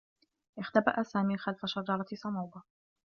اختبأ سامي خلف شجرة صنوبر.